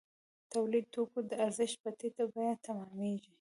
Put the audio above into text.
تولید د توکو د ارزښت په ټیټه بیه تمامېږي